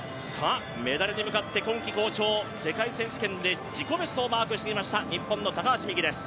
メダルに向かって今季好調、世界選手権で自己ベストをマークしました日本の高橋美紀です。